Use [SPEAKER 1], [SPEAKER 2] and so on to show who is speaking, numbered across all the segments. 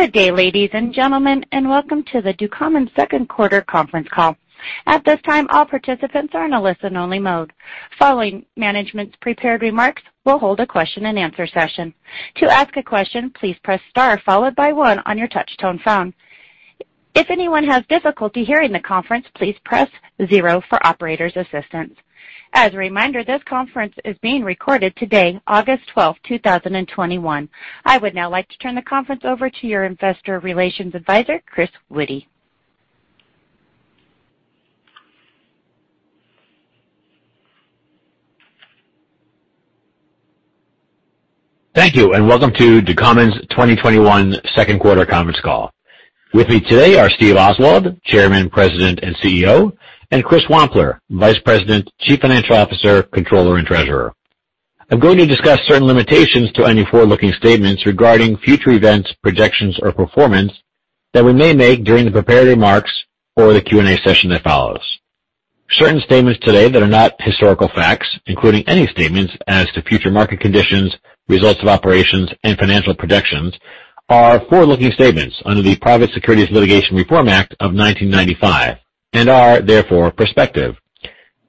[SPEAKER 1] Good day, ladies and gentlemen, and welcome to the Ducommun second quarter conference call. At this time, all participants are in a listen-only mode. Following management's prepared remarks, we'll hold a question and answer session. To ask a question, please press star, followed by one on your touch-tone phone. If anyone has difficulty hearing the conference, please press zero for operator's assistance. As a reminder, this conference is being recorded today, August 12th, 2021. I would now like to turn the conference over to your investor relations advisor, Chris Witty.
[SPEAKER 2] Thank you, and welcome to Ducommun's 2021 second quarter conference call. With me today are Steve Oswald, Chairman, President, and CEO, and Chris Wampler, Vice President, Chief Financial Officer, Controller, and Treasurer. I'm going to discuss certain limitations to any forward-looking statements regarding future events, projections, or performance that we may make during the prepared remarks or the Q&A session that follows. Certain statements today that are not historical facts, including any statements as to future market conditions, results of operations, and financial projections, are forward-looking statements under the Private Securities Litigation Reform Act of 1995 and are therefore prospective.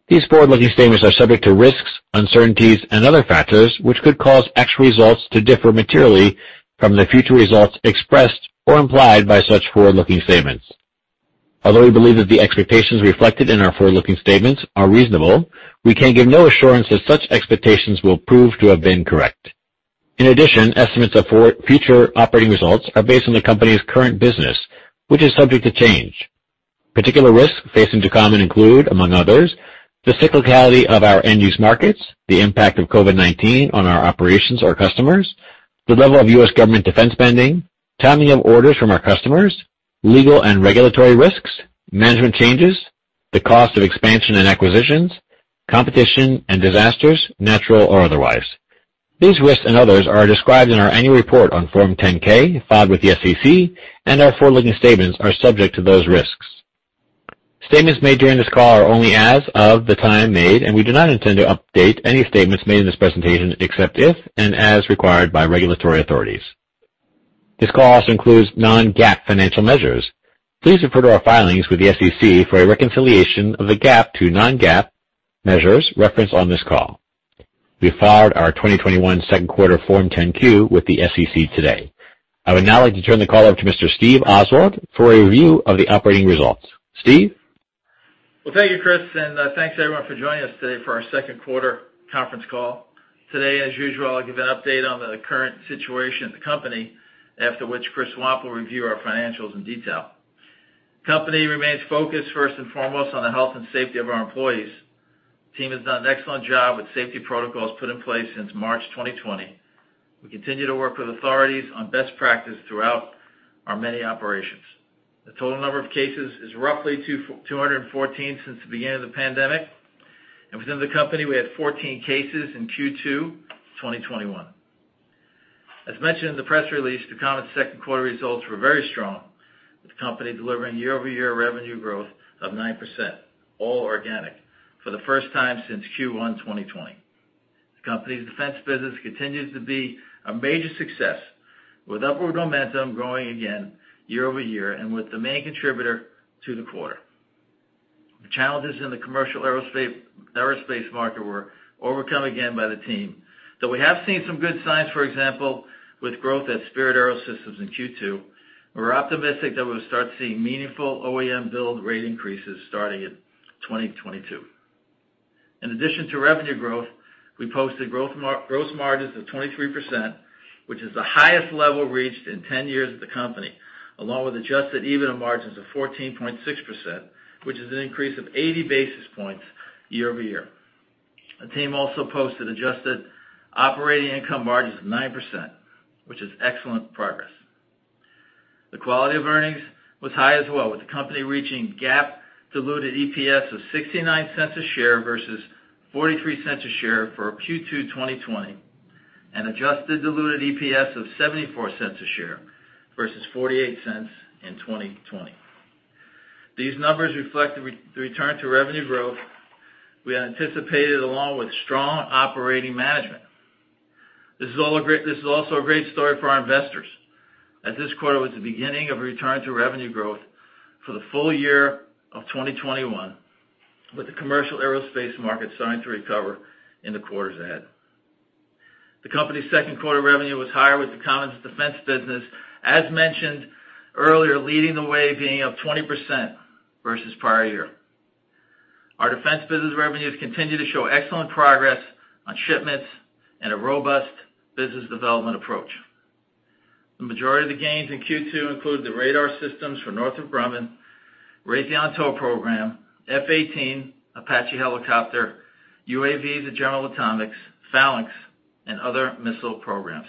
[SPEAKER 2] These forward-looking statements are subject to risks, uncertainties, and other factors which could cause actual results to differ materially from the future results expressed or implied by such forward-looking statements. Although we believe that the expectations reflected in our forward-looking statements are reasonable, we can give no assurance that such expectations will prove to have been correct. In addition, estimates of future operating results are based on the company's current business, which is subject to change. Particular risks facing Ducommun include, among others, the cyclicality of our end-use markets, the impact of COVID-19 on our operations or customers, the level of U.S. government defense spending, timing of orders from our customers, legal and regulatory risks, management changes, the cost of expansion and acquisitions, competition, and disasters, natural or otherwise. These risks and others are described in our annual report on Form 10-K filed with the SEC, and our forward-looking statements are subject to those risks. Statements made during this call are only as of the time made, and we do not intend to update any statements made in this presentation except if and as required by regulatory authorities. This call also includes non-GAAP financial measures. Please refer to our filings with the SEC for a reconciliation of the GAAP to non-GAAP measures referenced on this call. We filed our 2021 second quarter Form 10-Q with the SEC today. I would now like to turn the call over to Mr. Steve Oswald for a review of the operating results. Steve?
[SPEAKER 3] Well, thank you, Chris Witty, and thanks everyone for joining us today for our second quarter conference call. Today, as usual, I'll give an update on the current situation of the company, after which Chris Wampler will review our financials in detail. The company remains focused first and foremost on the health and safety of our employees. The team has done an excellent job with safety protocols put in place since March 2020. We continue to work with authorities on best practice throughout our many operations. The total number of cases is roughly 214 since the beginning of the pandemic, and within the company, we had 14 cases in Q2 2021. As mentioned in the press release, Ducommun's second quarter results were very strong, with the company delivering year-over-year revenue growth of 9%, all organic, for the first time since Q1 2020. The company's defense business continues to be a major success, with upward momentum growing again year-over-year and with the main contributor to the quarter. The challenges in the commercial aerospace market were overcome again by the team. We have seen some good signs, for example, with growth at Spirit AeroSystems in Q2, we're optimistic that we'll start seeing meaningful OEM build rate increases starting in 2022. In addition to revenue growth, we posted gross margins of 23%, which is the highest level reached in 10 years at the company, along with adjusted EBITDA margins of 14.6%, which is an increase of 80 basis points year-over-year. The team also posted adjusted operating income margins of 9%, which is excellent progress. The quality of earnings was high as well, with the company reaching GAAP diluted EPS of $0.69 a share versus $0.43 a share for Q2 2020, and adjusted diluted EPS of $0.74 a share versus $0.48 in 2020. These numbers reflect the return to revenue growth we had anticipated, along with strong operating management. This is also a great story for our investors, as this quarter was the beginning of a return to revenue growth for the full year of 2021, with the commercial aerospace market starting to recover in the quarters ahead. The company's second quarter revenue was higher with Ducommun's defense business, as mentioned earlier, leading the way, being up 20% versus prior year. Our defense business revenues continue to show excellent progress on shipments and a robust business development approach. The majority of the gains in Q2 include the radar systems for Northrop Grumman, Raytheon TOW program, F-18 Apache helicopter, UAV, the General Atomics, Phalanx, and other missile programs.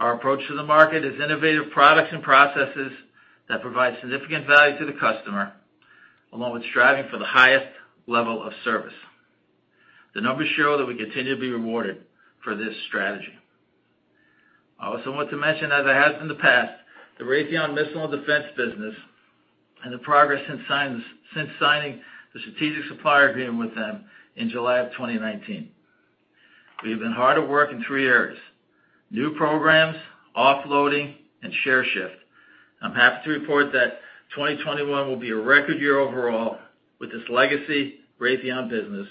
[SPEAKER 3] Our approach to the market is innovative products and processes that provide significant value to the customer, along with striving for the highest level of service. The numbers show that we continue to be rewarded for this strategy. I also want to mention, as I have in the past, the Raytheon Missiles & Defense business. The progress since signing the strategic supplier agreement with them in July of 2019. We've been hard at work in three areas, new programs, offloading, and share shift. I'm happy to report that 2021 will be a record year overall with this legacy Raytheon business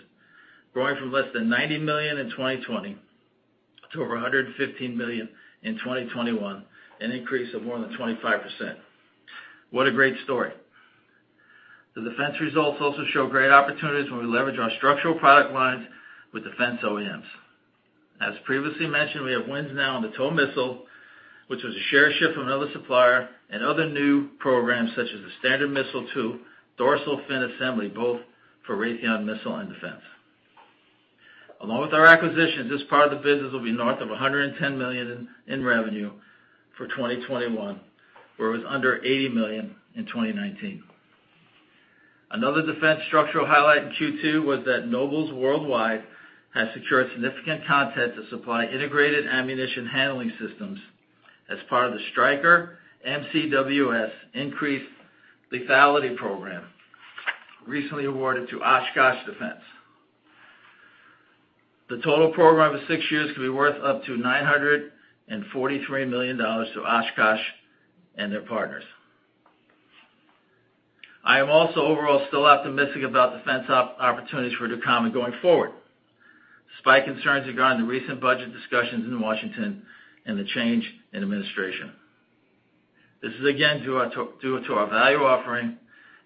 [SPEAKER 3] growing from less than $90 million in 2020 to over $115 million in 2021, an increase of more than 25%. What a great story. The defense results also show great opportunities when we leverage our structural product lines with defense OEMs. As previously mentioned, we have wins now on the TOW Missile, which was a share shift from another supplier, and other new programs such as the Standard Missile-2 Dorsal Fin Assembly, both for Raytheon Missiles & Defense. Along with our acquisitions, this part of the business will be north of $110 million in revenue for 2021, where it was under $80 million in 2019. Another defense structural highlight in Q2 was that Nobles Worldwide has secured significant content to supply integrated ammunition handling systems as part of the Stryker MCWS Increased Lethality Program, recently awarded to Oshkosh Defense. The total program of six years could be worth up to $943 million to Oshkosh and their partners. I am also overall still optimistic about defense opportunities for Ducommun going forward, despite concerns regarding the recent budget discussions in Washington and the change in administration. This is again due to our value offering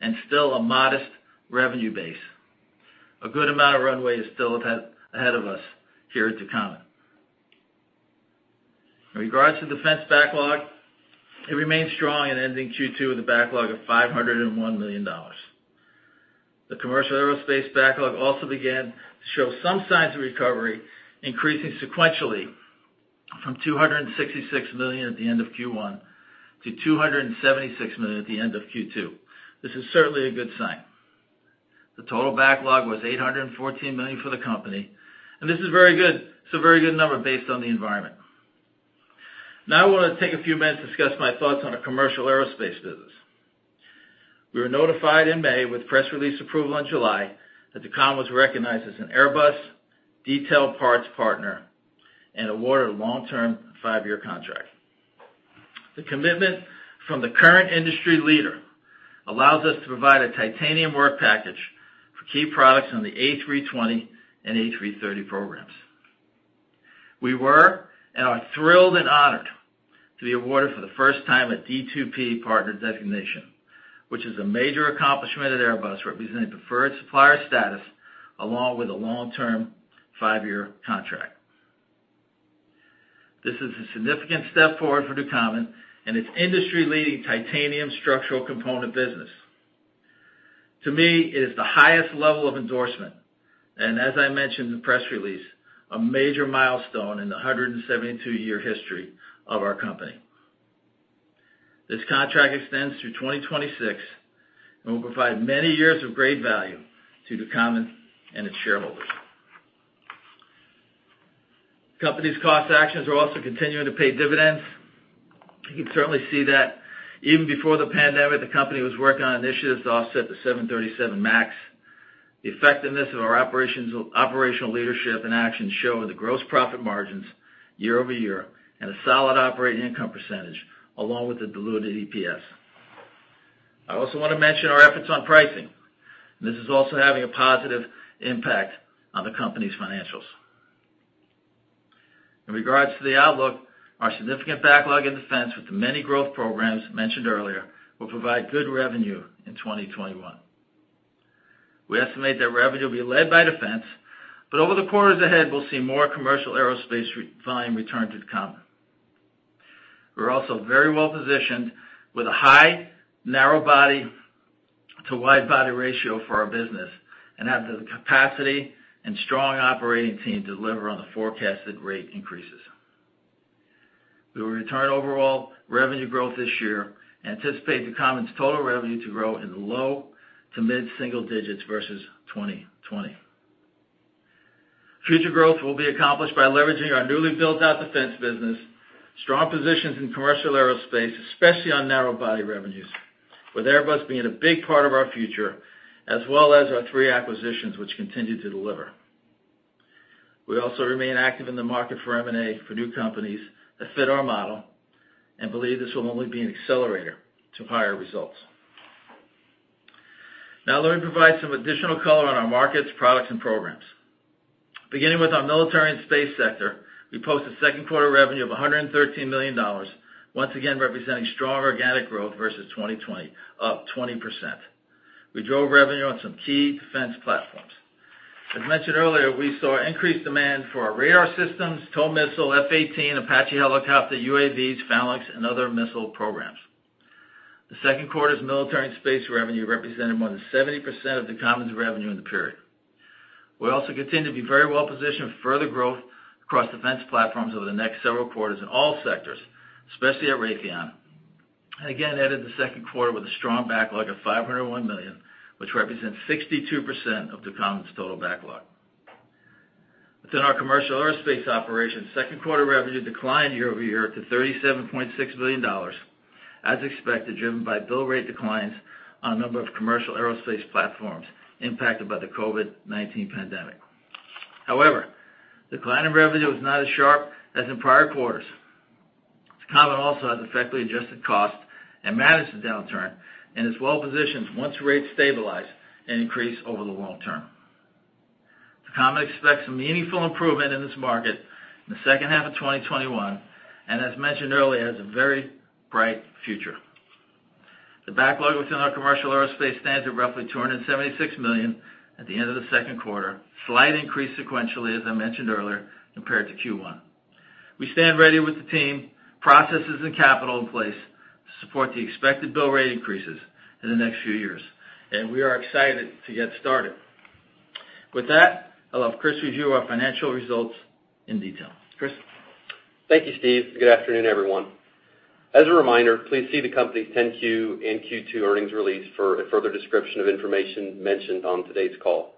[SPEAKER 3] and still a modest revenue base. A good amount of runway is still ahead of us here at Ducommun. In regards to defense backlog, it remains strong in ending Q2 with a backlog of $501 million. The commercial aerospace backlog also began to show some signs of recovery, increasing sequentially from $266 million at the end of Q1 to $276 million at the end of Q2. This is certainly a good sign. The total backlog was $814 million for the company, and this is very good. It's a very good number based on the environment. Now I want to take a few minutes to discuss my thoughts on our commercial aerospace business. We were notified in May with press release approval in July that Ducommun was recognized as an Airbus Detail Parts Partner and awarded a long-term five-year contract. The commitment from the current industry leader allows us to provide a titanium work package for key products on the A320 and A330 programs. We were, and are thrilled and honored to be awarded for the first time a D2P partner designation, which is a major accomplishment at Airbus, representing preferred supplier status along with a long-term five-year contract. This is a significant step forward for Ducommun and its industry-leading titanium structural component business. To me, it is the highest level of endorsement, and as I mentioned in the press release, a major milestone in the 172-year history of our company. This contract extends through 2026 and will provide many years of great value to Ducommun and its shareholders. Company's cost actions are also continuing to pay dividends. You can certainly see that even before the pandemic, the company was working on initiatives to offset the 737 MAX. The effectiveness of our operational leadership and actions show in the gross profit margins year-over-year and a solid operating income percentage, along with the diluted EPS. I also want to mention our efforts on pricing, and this is also having a positive impact on the company's financials. In regards to the outlook, our significant backlog in defense with the many growth programs mentioned earlier will provide good revenue in 2021. We estimate that revenue will be led by defense, but over the quarters ahead, we'll see more commercial aerospace volume return to Ducommun. We're also very well-positioned with a high narrow body to wide body ratio for our business and have the capacity and strong operating team to deliver on the forecasted rate increases. We will return overall revenue growth this year and anticipate Ducommun's total revenue to grow in the low to mid-single digits versus 2020. Future growth will be accomplished by leveraging our newly built-out defense business, strong positions in commercial aerospace, especially on narrow body revenues, with Airbus being a big part of our future, as well as our three acquisitions, which continue to deliver. We also remain active in the market for M&A for new companies that fit our model and believe this will only be an accelerator to higher results. Now, let me provide some additional color on our markets, products, and programs. Beginning with our Military and Space sector, we posted second quarter revenue of $113 million, once again representing strong organic growth versus 2020, up 20%. We drove revenue on some key defense platforms. As mentioned earlier, we saw increased demand for our radar systems, TOW Missile, F-18, Apache helicopter, UAVs, Phalanx, and other missile programs. The second quarter's Military and Space revenue represented more than 70% of Ducommun's revenue in the period. We also continue to be very well-positioned for further growth across defense platforms over the next several quarters in all sectors, especially at Raytheon. Again, ended the second quarter with a strong backlog of $501 million, which represents 62% of Ducommun's total backlog. Within our commercial aerospace operations, second quarter revenue declined year-over-year to $37.6 million, as expected, driven by build rate declines on a number of commercial aerospace platforms impacted by the COVID-19 pandemic. However, the decline in revenue was not as sharp as in prior quarters. Ducommun also has effectively adjusted cost and managed the downturn and is well-positioned once rates stabilize and increase over the long term. Ducommun expects a meaningful improvement in this market in the second half of 2021, and as mentioned earlier, has a very bright future. The backlog within our commercial aerospace stands at roughly $276 million at the end of the second quarter, slight increase sequentially, as I mentioned earlier, compared to Q1. We stand ready with the team, processes, and capital in place to support the expected bill rate increases in the next few years, and we are excited to get started. With that, I'll have Chris review our financial results in detail. Chris?
[SPEAKER 4] Thank you, Steve. Good afternoon, everyone. As a reminder, please see the company's 10-Q and Q2 earnings release for a further description of information mentioned on today's call.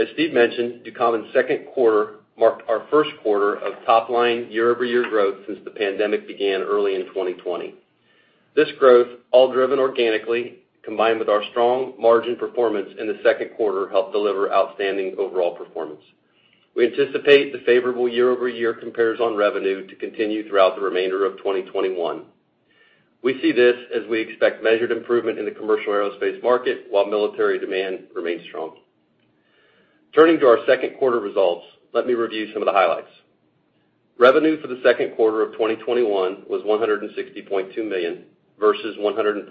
[SPEAKER 4] As Steve mentioned, Ducommun's second quarter marked our first quarter of top-line year-over-year growth since the pandemic began early in 2020. This growth, all driven organically, combined with our strong margin performance in the second quarter, helped deliver outstanding overall performance. We anticipate the favorable year-over-year compares on revenue to continue throughout the remainder of 2021. We see this as we expect measured improvement in the commercial aerospace market while military demand remains strong. Turning to our second quarter results, let me review some of the highlights. Revenue for the second quarter of 2021 was $160.2 million, versus $147.3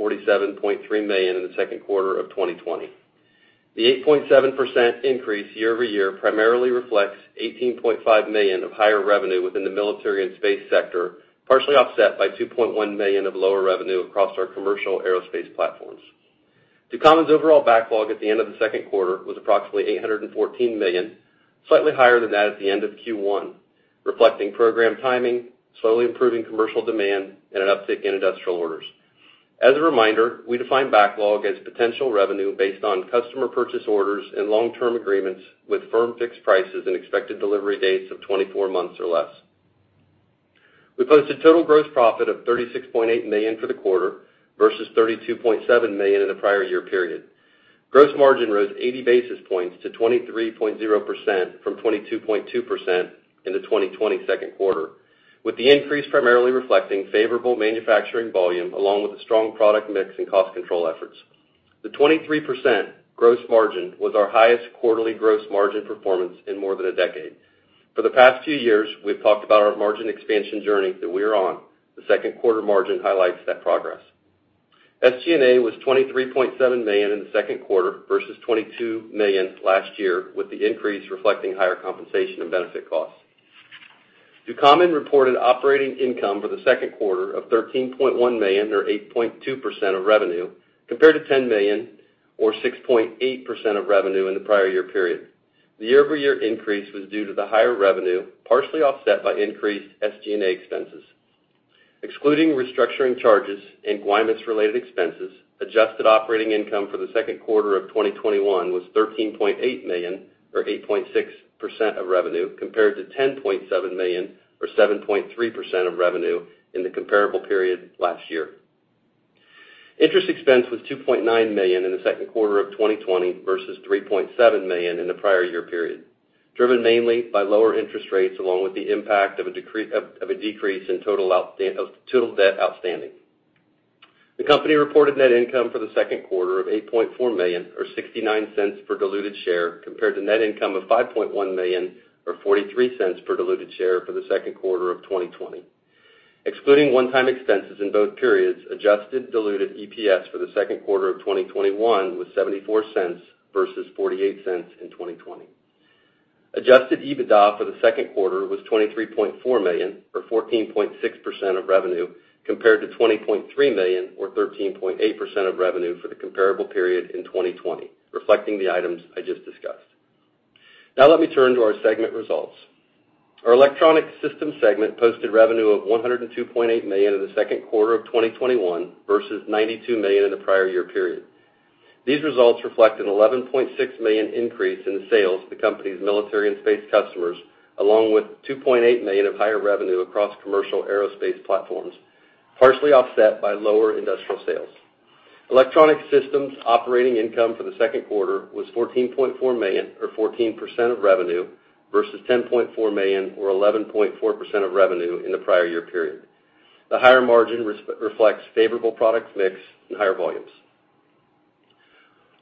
[SPEAKER 4] million in the second quarter of 2020. The 8.7% increase year-over-year primarily reflects $18.5 million of higher revenue within the military and space sector, partially offset by $2.1 million of lower revenue across our commercial aerospace platforms. Ducommun's overall backlog at the end of the second quarter was approximately $814 million, slightly higher than that at the end of Q1, reflecting program timing, slowly improving commercial demand, and an uptick in industrial orders. As a reminder, we define backlog as potential revenue based on customer purchase orders and long-term agreements with firm fixed prices and expected delivery dates of 24 months or less. We posted total gross profit of $36.8 million for the quarter versus $32.7 million in the prior year period. Gross margin rose 80 basis points to 23.0% from 22.2% in the 2020 second quarter, with the increase primarily reflecting favorable manufacturing volume along with the strong product mix and cost control efforts. The 23% gross margin was our highest quarterly gross margin performance in more than a decade. For the past few years, we've talked about our margin expansion journey that we are on. The second quarter margin highlights that progress. SG&A was $23.7 million in the second quarter versus $22 million last year, with the increase reflecting higher compensation and benefit costs. Ducommun reported operating income for the second quarter of $13.1 million, or 8.2% of revenue, compared to $10 million, or 6.8% of revenue in the prior year period. The year-over-year increase was due to the higher revenue, partially offset by increased SG&A expenses. Excluding restructuring charges and Guaymas related expenses, adjusted operating income for the second quarter of 2021 was $13.8 million, or 8.6% of revenue, compared to $10.7 million or 7.3% of revenue in the comparable period last year. Interest expense was $2.9 million in the second quarter of 2020 versus $3.7 million in the prior year period, driven mainly by lower interest rates along with the impact of a decrease of total debt outstanding. The company reported net income for the second quarter of $8.4 million, or $0.69 per diluted share, compared to net income of $5.1 million or $0.43 per diluted share for the second quarter of 2020. Excluding one-time expenses in both periods, adjusted diluted EPS for the second quarter of 2021 was $0.74 versus $0.48 in 2020. Adjusted EBITDA for the second quarter was $23.4 million or 14.6% of revenue compared to $20.3 million or 13.8% of revenue for the comparable period in 2020, reflecting the items I just discussed. Now let me turn to our segment results. Our Electronic Systems segment posted revenue of $102.8 million in the second quarter of 2021 versus $92 million in the prior year period. These results reflect an $11.6 million increase in sales to the company's military and space customers, along with $2.8 million of higher revenue across commercial aerospace platforms, partially offset by lower industrial sales. Electronic Systems operating income for the second quarter was $14.4 million, or 14% of revenue versus $10.4 million or 11.4% of revenue in the prior year period. The higher margin reflects favorable product mix and higher volumes.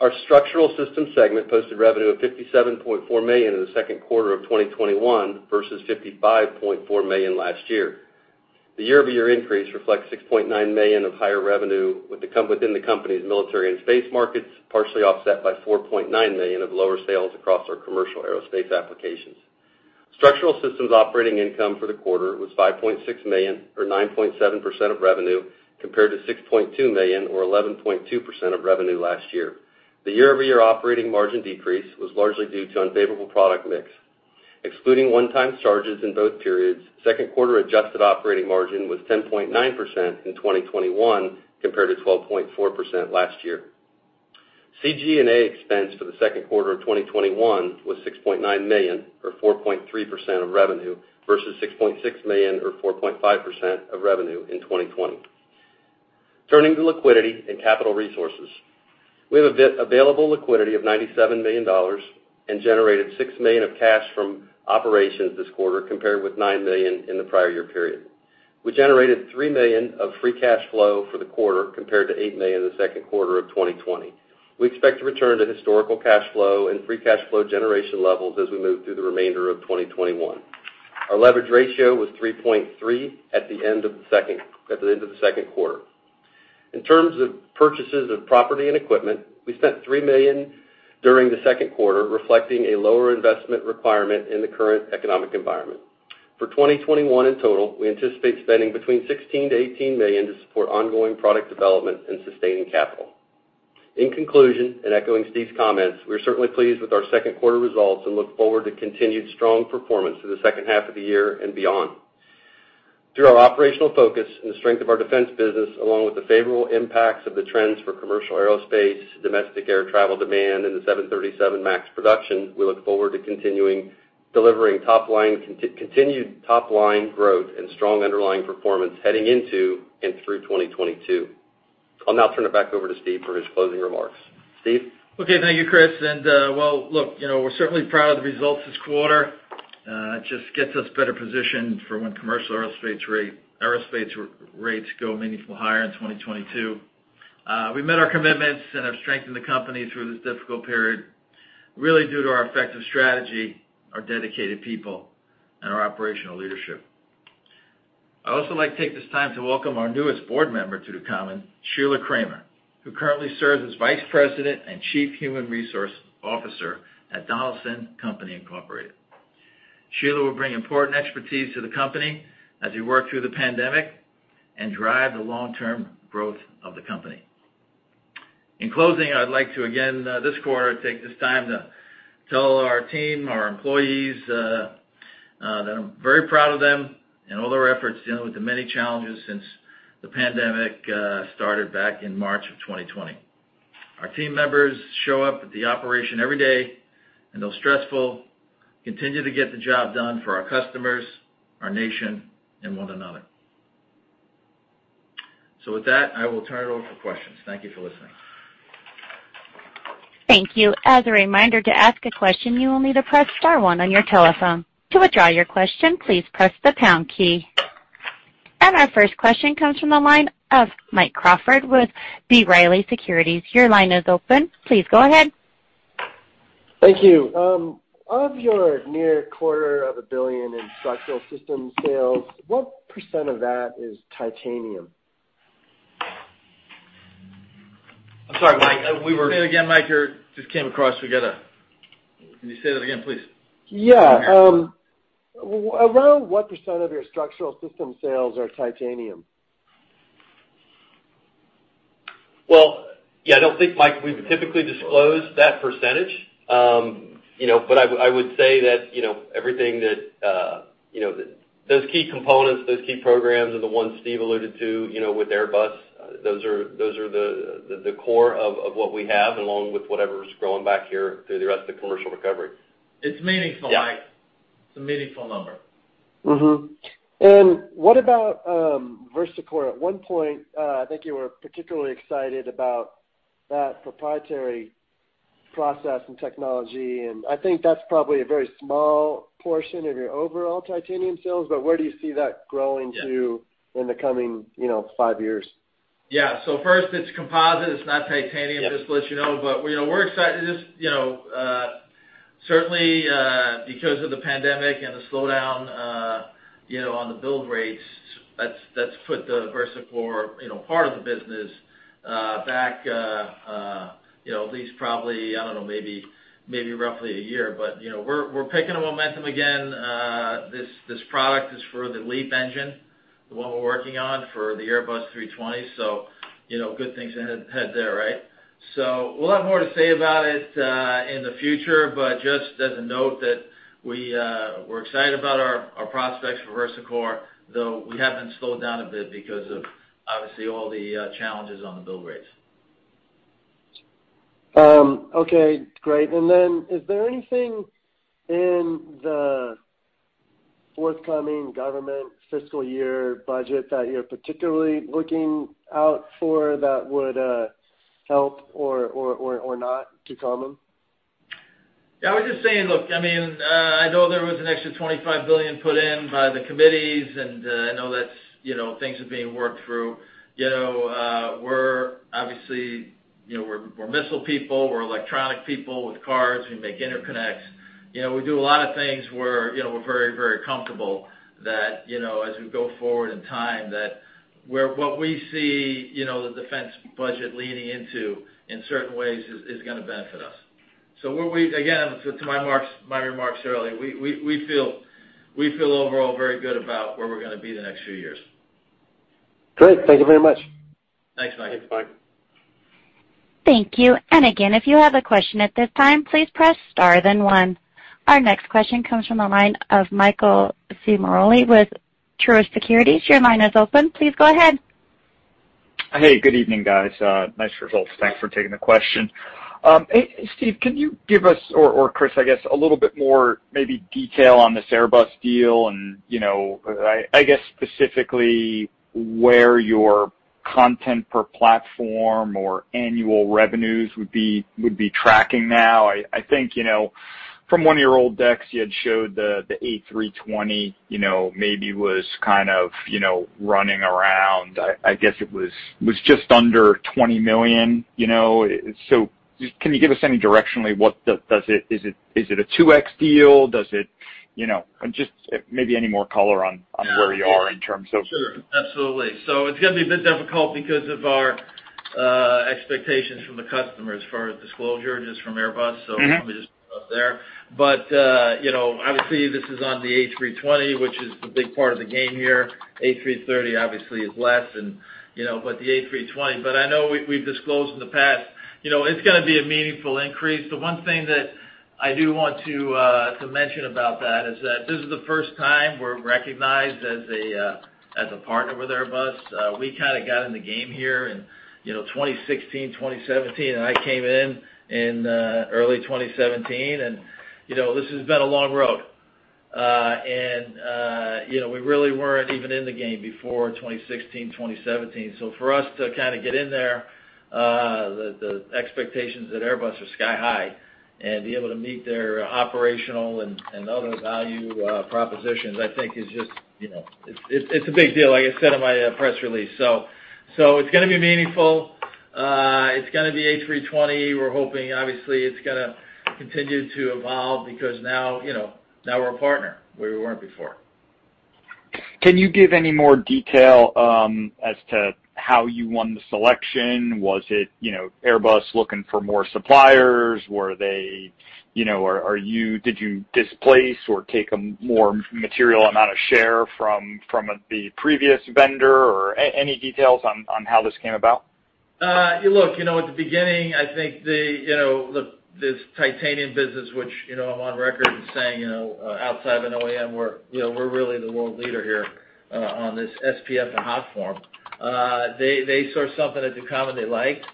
[SPEAKER 4] Our Structural Systems segment posted revenue of $57.4 million in the second quarter of 2021 versus $55.4 million last year. The year-over-year increase reflects $6.9 million of higher revenue within the company's military and space markets, partially offset by $4.9 million of lower sales across our commercial aerospace applications. Structural systems operating income for the quarter was $5.6 million or 9.7% of revenue, compared to $6.2 million or 11.2% of revenue last year. The year-over-year operating margin decrease was largely due to unfavorable product mix. Excluding one-time charges in both periods, second quarter adjusted operating margin was 10.9% in 2021 compared to 12.4% last year. SG&A expense for the second quarter of 2021 was $6.9 million, or 4.3% of revenue, versus $6.6 million or 4.5% of revenue in 2020. Turning to liquidity and capital resources, we have available liquidity of $97 million and generated $6 million of cash from operations this quarter compared with $9 million in the prior year period. We generated $3 million of free cash flow for the quarter compared to $8 million in the second quarter of 2020. We expect to return to historical cash flow and free cash flow generation levels as we move through the remainder of 2021. Our leverage ratio was 3.3 at the end of the second quarter. In terms of purchases of property and equipment, we spent $3 million during the second quarter, reflecting a lower investment requirement in the current economic environment. For 2021 in total, we anticipate spending between $16 million-$18 million to support ongoing product development and sustaining capital. In conclusion, echoing Steve's comments, we're certainly pleased with our second quarter results and look forward to continued strong performance for the second half of the year and beyond. Through our operational focus and the strength of our defense business, along with the favorable impacts of the trends for commercial aerospace, domestic air travel demand, and the 737 MAX production, we look forward to continuing delivering continued top-line growth and strong underlying performance heading into and through 2022. I'll now turn it back over to Steve for his closing remarks. Steve?
[SPEAKER 3] Thank you, Chris. Well, look, we're certainly proud of the results this quarter. It just gets us better positioned for when commercial aerospace rates go meaningfully higher in 2022. We met our commitments and have strengthened the company through this difficult period, really due to our effective strategy, our dedicated people, and our operational leadership. I'd also like to take this time to welcome our newest board member to Ducommun, Sheila Kramer, who currently serves as Vice President and Chief Human Resource Officer at Donaldson Company Incorporated. Sheila will bring important expertise to the company as we work through the pandemic and drive the long-term growth of the company. In closing, I'd like to, again, this quarter, take this time to tell our team, our employees, that I'm very proud of them and all their efforts dealing with the many challenges since the pandemic started back in March of 2020. Our team members show up at the operation every day, and though stressful, continue to get the job done for our customers, our nation, and one another. With that, I will turn it over for questions. Thank you for listening.
[SPEAKER 1] Thank you. As a reminder, to ask a question, you will need to press star one on your telephone. To withdraw your question, please press the pound key. Our first question comes from the line of Mike Crawford with B. Riley Securities. Your line is open. Please go ahead.
[SPEAKER 5] Thank you. Of your near quarter of a billion in structural systems sales, what percent of that is titanium?
[SPEAKER 4] I'm sorry, Mike.
[SPEAKER 3] Can you say that again, Mike? You just came across together. Can you say that again, please?
[SPEAKER 5] Yeah. Around what percent of your structural system sales are titanium?
[SPEAKER 4] Well, yeah, I don't think, Mike, we've typically disclosed that percentage. I would say that those key components, those key programs are the ones Steve alluded to with Airbus. Those are the core of what we have along with whatever's growing back here through the rest of the commercial recovery.
[SPEAKER 3] It's meaningful, Mike.
[SPEAKER 4] Yeah.
[SPEAKER 3] It's a meaningful number.
[SPEAKER 5] Mm-hmm. What about VersaCore? At one point, I think you were particularly excited about that proprietary process and technology, and I think that's probably a very small portion of your overall titanium sales, but where do you see that growing to in the coming five years?
[SPEAKER 3] Yeah. First, it's composite. It's not.
[SPEAKER 5] Yeah.
[SPEAKER 3] just to let you know. We're excited. Certainly, because of the pandemic and the slowdown on the build rates, that's put the VersaCore part of the business back at least probably, I don't know, maybe roughly a year. We're picking up momentum again. This product is for the LEAP engine, the one we're working on for the Airbus A320, so good things ahead there. We'll have more to say about it in the future, but just as a note that we're excited about our prospects for VersaCore, though we have been slowed down a bit because of, obviously, all the challenges on the build rates.
[SPEAKER 5] Okay. Great. Is there anything in the forthcoming government fiscal year budget that you're particularly looking out for that would help or not Ducommun?
[SPEAKER 3] Yeah, I would just say, look, I know there was an extra $25 billion put in by the committees, and I know that things are being worked through. We're missile people. We're electronic people with cards. We make interconnects. We do a lot of things where we're very, very comfortable that as we go forward in time, that what we see the defense budget leading into in certain ways is gonna benefit us. Again, to my remarks earlier, we feel overall very good about where we're gonna be the next few years.
[SPEAKER 5] Great. Thank you very much.
[SPEAKER 3] Thanks, Mike.
[SPEAKER 4] Thanks, Mike.
[SPEAKER 1] Thank you. Again, if you have a question at this time, please press star then one. Our next question comes from the line of Michael Ciarmoli with Truist Securities, your line is open. Please go ahead.
[SPEAKER 6] Hey, good evening, guys. Nice results. Thanks for taking the question. Steve, can you give us, or Chris, I guess, a little bit more maybe detail on this Airbus deal and, I guess specifically, where your content per platform or annual revenues would be tracking now? I think, from one of your old decks, you had showed the A320 maybe was kind of running around. I guess it was just under $20 million. Can you give us any directionally, is it a 2x deal?
[SPEAKER 3] Sure. Absolutely. It's going to be a bit difficult because of our expectations from the customers for disclosure, just from Airbus, let me just up there. Obviously, this is on the A320, which is the big part of the game here. A330 obviously is less, but the A320. I know we've disclosed in the past. It's going to be a meaningful increase. The one thing that I do want to mention about that is that this is the first time we're recognized as a partner with Airbus. We kind of got in the game here in 2016, 2017, and I came in early 2017, and this has been a long road. We really weren't even in the game before 2016, 2017. For us to kind of get in there, the expectations at Airbus are sky high, and to be able to meet their operational and other value propositions, I think it's a big deal, like I said in my press release. It's going to be meaningful. It's going to be A320. We're hoping, obviously, it's going to continue to evolve because now we're a partner, we weren't before.
[SPEAKER 6] Can you give any more detail as to how you won the selection? Was it Airbus looking for more suppliers? Did you displace or take a more material amount of share from the previous vendor? Any details on how this came about?
[SPEAKER 3] Look, at the beginning, I think this titanium business, which I'm on record as saying, outside of an OEM, we're really the world leader here on this SPF and hot form. They saw something at Ducommun they liked,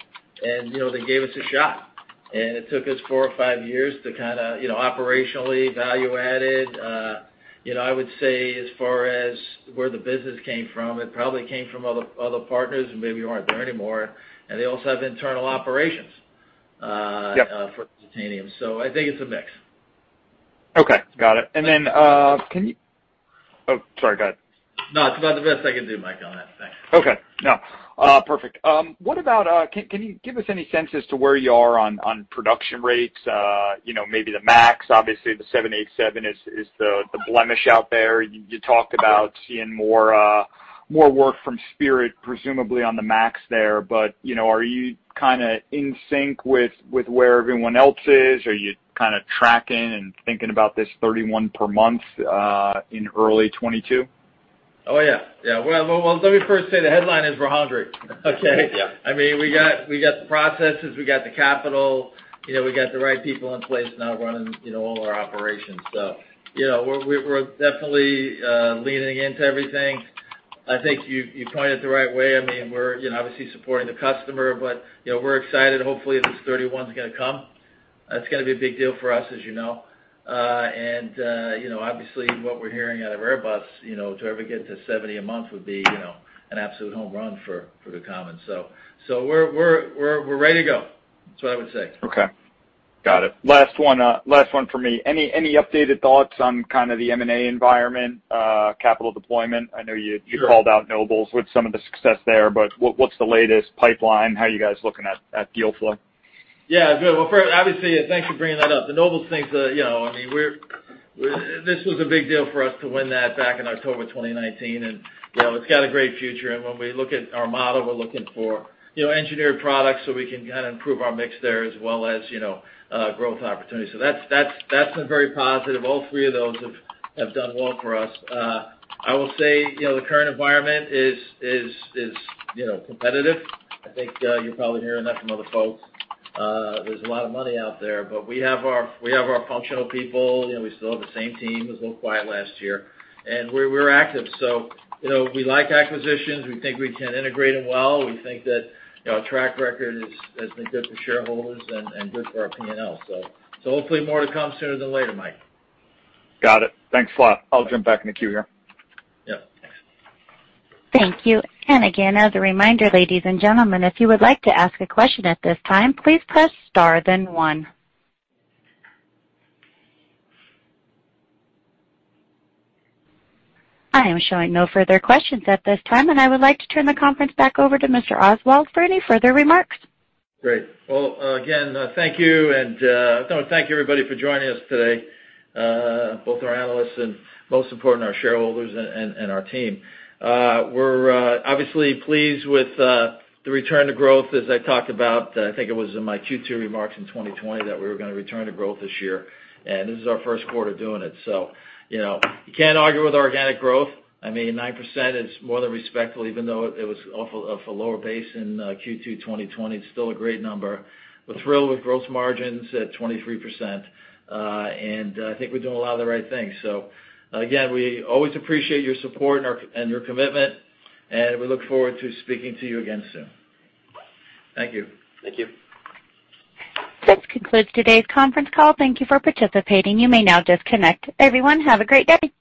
[SPEAKER 3] and they gave us a shot. It took us four or five years to kind of operationally value-added. I would say as far as where the business came from, it probably came from other partners who maybe aren't there anymore, and they also have internal operations.
[SPEAKER 6] Yeah.
[SPEAKER 3] For titanium. I think it's a mix.
[SPEAKER 6] Okay. Got it. Can you Oh, sorry, go ahead.
[SPEAKER 3] No, that's about the best I can do, Mike, on that. Thanks.
[SPEAKER 6] Okay. No. Perfect. Can you give us any sense as to where you are on production rates? Maybe the 737 MAX, obviously the 787 is the blemish out there. You talked about seeing more work from Spirit, presumably on the 737 MAX there. Are you kind of in sync with where everyone else is? Are you kind of tracking and thinking about this 31 per month in early 2022?
[SPEAKER 3] Oh, yeah. Well, let me first say the headline is we're hungry. Okay?
[SPEAKER 6] Yeah.
[SPEAKER 3] I mean, we got the processes, we got the capital, we got the right people in place now running all our operations. We're definitely leaning into everything. I think you pointed the right way. We're obviously supporting the customer, but we're excited. Hopefully this 31's going to come. That's going to be a big deal for us, as you know. Obviously what we're hearing out of Airbus, to ever get to 70 a month would be an absolute home run for Ducommun. We're ready to go. That's what I would say.
[SPEAKER 6] Okay. Got it. Last one from me. Any updated thoughts on kind of the M&A environment, capital deployment?
[SPEAKER 3] Sure
[SPEAKER 6] called out Nobles with some of the success there. What's the latest pipeline? How are you guys looking at deal flow?
[SPEAKER 3] Yeah, good. Well, first, obviously, thanks for bringing that up. The Nobles thing, this was a big deal for us to win that back in October 2019, and it's got a great future, and when we look at our model, we're looking for engineered products so we can kind of improve our mix there as well as growth opportunities. That's been very positive. All three of those have done well for us. I will say, the current environment is competitive. I think you're probably hearing that from other folks. There's a lot of money out there. We have our functional people, we still have the same team. It was a little quiet last year. We're active. We like acquisitions. We think we can integrate them well. We think that our track record has been good for shareholders and good for our P&L. Hopefully more to come sooner than later, Mike.
[SPEAKER 6] Got it. Thanks a lot. I'll jump back in the queue here.
[SPEAKER 3] Yeah. Thanks.
[SPEAKER 1] Thank you. Again, as a reminder, ladies and gentlemen, if you would like to ask a question at this time, please press star then one. I am showing no further questions at this time, I would like to turn the conference back over to Mr. Oswald for any further remarks.
[SPEAKER 3] Great. Well, again, thank you, and thank you, everybody, for joining us today, both our analysts and most important, our shareholders and our team. We're obviously pleased with the return to growth, as I talked about. I think it was in my Q2 remarks in 2020 that we were going to return to growth this year, and this is our first quarter doing it. You can't argue with organic growth. I mean, 9% is more than respectful, even though it was off a lower base in Q2 2020. It's still a great number. We're thrilled with gross margins at 23%, and I think we're doing a lot of the right things. Again, we always appreciate your support and your commitment, and we look forward to speaking to you again soon. Thank you.
[SPEAKER 1] Thank you. This concludes today's conference call. Thank you for participating. You may now disconnect. Everyone, have a great day.